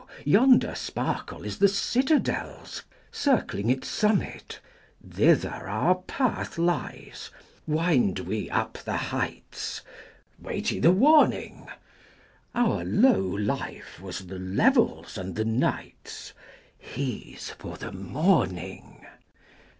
yonder sparkle is the citadel's Circling its summit. 20 Thither our path lies; wind we up the heights; Wait ye the warning? Our low life was the level's and the night's; He's for the morning.